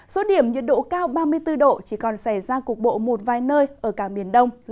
số điểm nhiệt độ cao ba mươi bốn độ chỉ còn xảy ra cục bộ một vài nơi ở cả miền đông